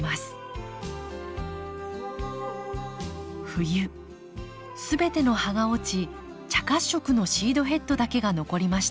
冬全ての葉が落ち茶褐色のシードヘッドだけが残りました。